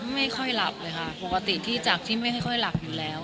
ไม่ค่อยหลับเลยค่ะปกติที่จากที่ไม่ค่อยหลับอยู่แล้ว